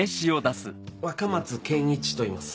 若松健一といいます。